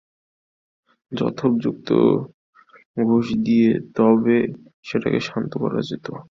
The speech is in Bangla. যথোপযুক্ত ঘুষ দিয়ে তবে সেটাকে শান্ত করা যেত।